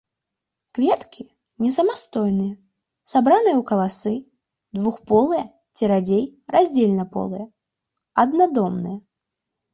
Кветкі несамастойныя, сабраныя ў каласы, двухполыя ці радзей раздзельнаполыя, аднадомныя.